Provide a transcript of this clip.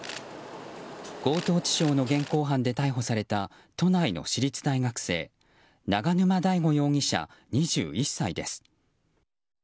強盗致傷の現行犯で逮捕された都内の私立大学生永沼大吾容疑者、２１歳です。